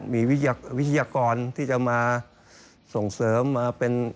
มีวิทยากรที่จะมาส่งเสริมมาเป็น